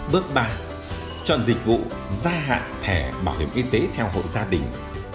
bước ba chọn dịch vụ gia hạn thẻ bảo hiểm y tế theo hộ gia đình